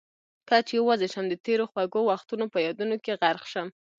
کله چې یوازې شم د تېرو خوږو وختونه په یادونو کې غرق شم.